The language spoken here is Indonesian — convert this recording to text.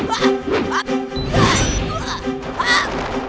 jangan lupa jai